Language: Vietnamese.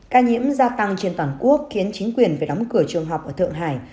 ca nhiễm gia tăng trên toàn quốc khiến chính quyền phải đóng cửa trường học ở thượng hải